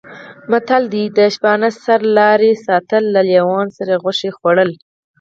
متل دی: د شپانه سره لارې ساتل، له لېوانو سره غوښې خوړل